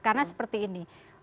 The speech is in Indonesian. karena seperti ini